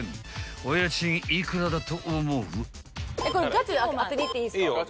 ［お家賃幾らだと思う？］